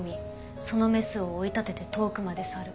そのメスを追い立てて遠くまで去る。